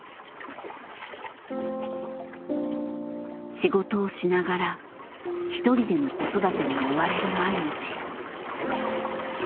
仕事をしながら一人での子育てに追われる毎日。